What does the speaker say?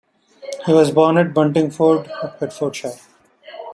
He was born at Buntingford, Hertfordshire.